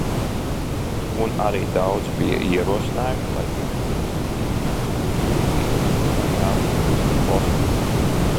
Un arī daudzi bija ierosinājuši, lai Ina Druviete ieņemtu izglītības un zinātnes ministra posteni.